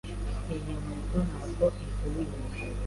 Iyi nkweto ntabwo ihuye.